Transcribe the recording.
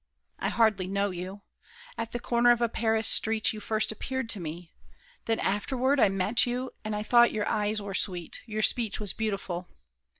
I hardly know you. At the corner of A Paris street you first appeared to me. Then afterward I met you, and I thought Your eyes were sweet, your speech was beautiful!